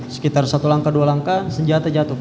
sekitar satu langkah dua langkah